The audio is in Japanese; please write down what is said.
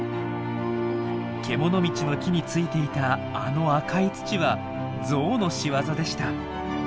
けもの道の木についていたあの赤い土はゾウのしわざでした！